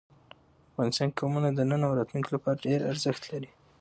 افغانستان کې قومونه د نن او راتلونکي لپاره ډېر ارزښت لري.